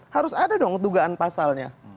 harus ada dong dugaan pasalnya